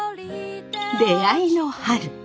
出会いの春。